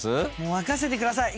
任せてください。